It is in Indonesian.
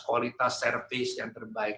kualitas service yang terbaik